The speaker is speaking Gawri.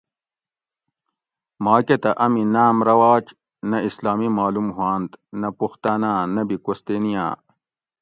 ما کہ تہ امی ناۤم رواج نہ اسلامی معلوم ھوانت نہ پُختاناں نہ بھی کوستینیاں